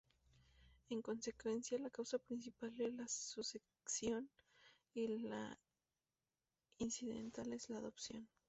En consecuencia, la causa principal es la sucesión y la incidental es la adopción.